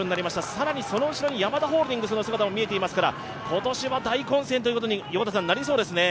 更にその後ろにヤマダホールディングスの姿も見えていますから今年は大混戦ということになりそうですね。